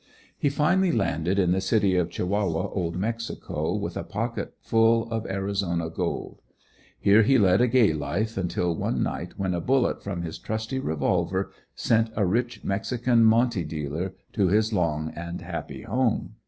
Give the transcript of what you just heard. He finally landed in the City of Chihuahua, Old Mexico, with a pocket full of Arizona gold. Here he led a gay life until one night when a bullet from his trusty revolver sent a rich mexican monte dealer to his long and happy home.